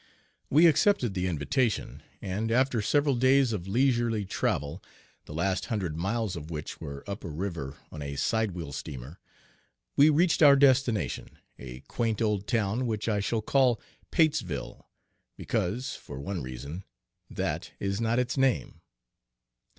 We accepted the invitation, and after several days of leisurely travel, the last hundred miles of which were up a river on a sidewheel steamer, we reached our destination, a quaint old town, which I shall call Patesville, because, for one reason, that is not its name.